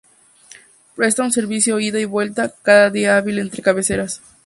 Presta un servicio ida y vuelta cada día hábil entre cabeceras.